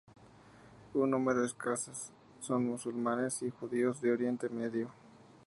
Un número escaso son musulmanes y judíos de Oriente Medio.